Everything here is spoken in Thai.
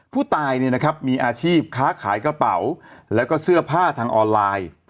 ผู้ตายมีอาชีพค้าขายกระเป๋าแล้วก็เสื้อผ้าทางออนไลน์